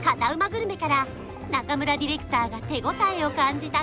グルメから中村ディレクターが手応えを感じた